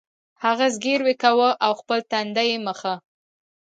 هغه زګیروی کاوه او خپل تندی یې مښه